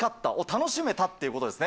楽しめたということですね。